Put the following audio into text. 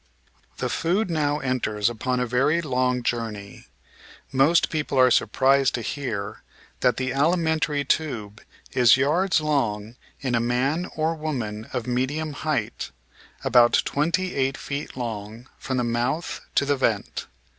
The food now enters upon a very long journey. Most people are surprised to hear that the alimentary tube is yards long in a man or woman of medium height, about twenty eight feet long from the mouth to the vent.